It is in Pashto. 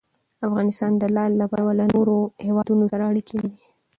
افغانستان د لعل له پلوه له نورو هېوادونو سره اړیکې لري.